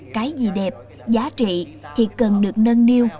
cái gì đẹp giá trị thì cần được nâng niu